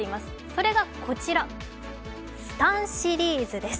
それがこちら、ＳＴＡＮ．シリーズです。